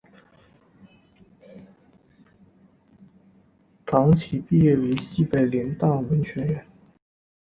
唐祈毕业于西北联大文学院。